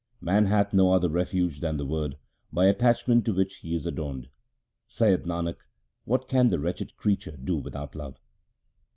Man hath no other refuge than the Word, by attachment to which he is adorned. Saith Nanak, what can the wretched creature do without love